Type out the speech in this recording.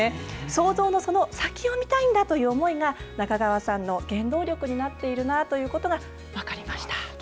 想像のその先を見たいんだという思いが、中川さんの原動力になっているなということが分かりました。